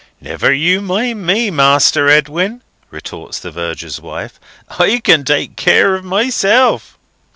"Never you mind me, Master Edwin," retorts the Verger's wife; "I can take care of myself."